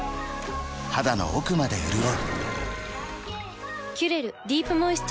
肌の奥まで潤う